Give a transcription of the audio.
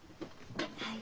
はい。